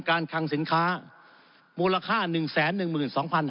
การคังสินค้ามูลค่าหนึ่งแสนนึงมือสองพัน